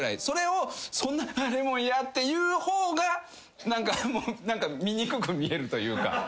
それをそんな「ああレモン嫌」って言う方が何か醜く見えるというか。